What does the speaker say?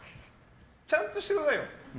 ちゃんとしてくださいよ。